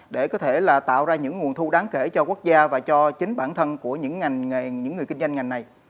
để có thể là tạo ra những nguồn thu đáng kể cho quốc gia và cho chính bản thân của những ngành những người kinh doanh ngành này